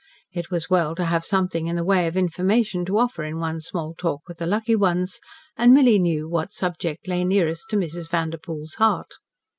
It was well to have something in the way of information to offer in one's small talk with the lucky ones and Milly knew what subject lay nearest to Mrs. Vanderpoel's heart.